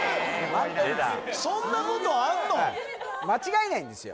間違えないんですよ